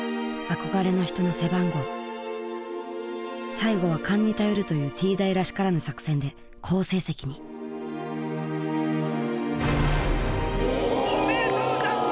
最後は勘に頼るというＴ大らしからぬ作戦で好成績に５メートルジャスト！